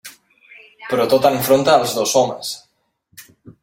Però tot enfronta els dos homes.